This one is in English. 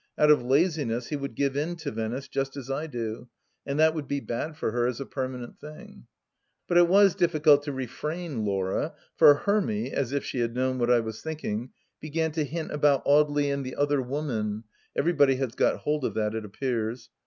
Out of laziness he would give in to Venice, just as I do, and that would be bad for her as a permanent thing. But it was difficult to refrain, Laura, for Hermy, as if she had known what I was thinking, began to hint about Audely and the other woman — everybody has got hold of that, it appears.